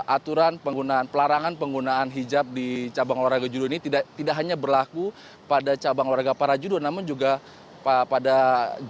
dan memang aturan penggunaan pelarangan penggunaan hijab di cabang warga judo ini tidak hanya berlaku pada cabang warga para judo namun juga pada judo untuk atlet atlet non lisisi